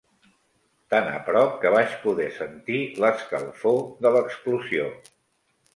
Tan a prop que vaig poder sentir l'escalfor de l'explosió